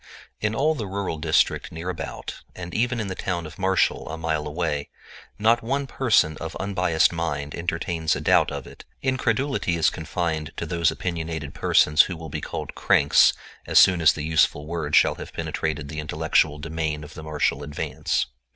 In all the rural district near about, and even in the town of Marshall, a mile away, not one person of unbiased mind entertains a doubt of it; incredulity is confined to those opinionated persons who will be called "cranks" as soon as the useful word shall have penetrated the intellectual demesne of the Marshall Advance.